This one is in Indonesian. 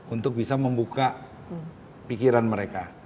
untuk bisa membuka pikiran mereka